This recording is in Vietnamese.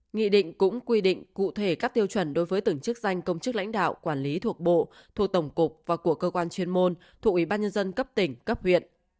nghị định cũng quy định cụ thể các tiêu chuẩn đối với từng chức danh công chức lãnh đạo quản lý thuộc bộ thuộc tổng cục và của cơ quan chuyên môn thuộc ủy ban nhân dân cấp tỉnh cấp huyện